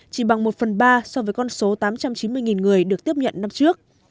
chỉ bằng một phần ba so với con số tám trăm chín mươi người được tiếp nhận năm trước